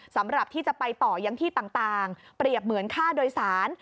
สำหรับที่จะไปต่อยังที่ต่างเปรียบเหมือนค่าโดยสาร